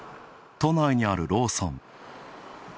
都内にあるローソン。